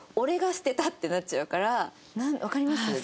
わかります？